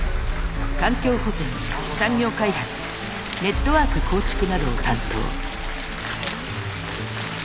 環境保全産業開発ネットワーク構築などを担当。